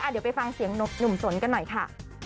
เดี๋ยวไปฟังเสียงหนุ่มสนกันหน่อยค่ะ